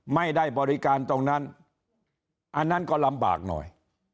ไม่ได้บริการตรงนั้นอันนั้นก็ลำบากหน่อย